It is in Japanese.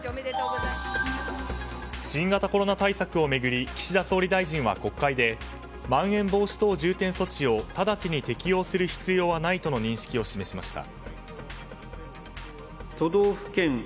新型コロナ対策を巡り岸田総理大臣は国会でまん延防止等重点措置をただちに適用する必要はないとの認識を示しました。